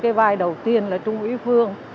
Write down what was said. cái vai đầu tiên là trung ý phong